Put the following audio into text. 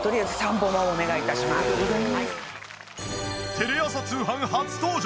テレ朝通販初登場！